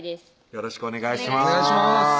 よろしくお願いします